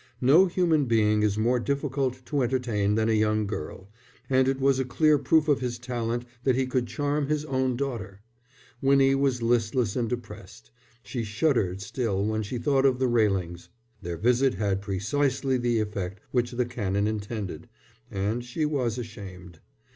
No human being is more difficult to entertain than a young girl, and it was a clear proof of his talent that he could charm his own daughter. Winnie was listless and depressed. She shuddered still when she thought of the Railings. Their visit had precisely the effect which the Canon intended, and she was ashamed.